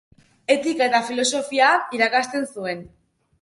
Etika eta Filosofia irakasten zuen.